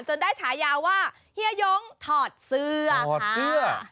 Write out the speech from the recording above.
จนได้ฉายาวว่าเฮียยงถอดเสื้อค่ะ